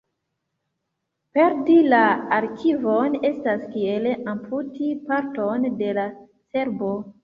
Perdi la arkivon estas kiel amputi parton de la cerbo.